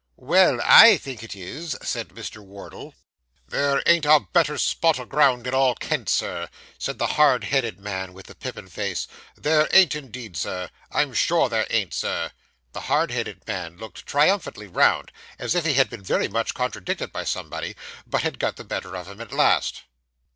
'Well, I think it is,' said Mr. Wardle. 'There ain't a better spot o' ground in all Kent, sir,' said the hard headed man with the pippin face; 'there ain't indeed, sir I'm sure there ain't, Sir.' The hard headed man looked triumphantly round, as if he had been very much contradicted by somebody, but had got the better of him at last.